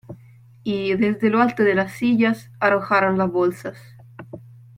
y desde lo alto de las sillas arrojaron las bolsas.